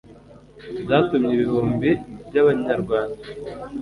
zatumye ibihumbi by'abanyarwanda